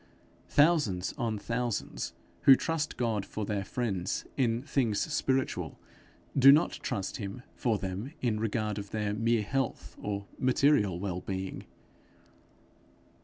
Thousands on thousands who trust God for their friends in things spiritual, do not trust him for them in regard of their mere health or material well being.